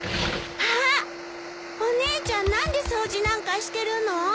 お姉ちゃん何で掃除なんかしてるの？